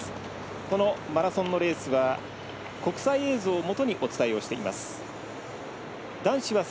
このマラソンのレースは国際映像をもとにお伝えをしています。